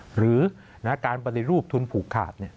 หรือณการบริรูปทุนผูกขาดเนี่ย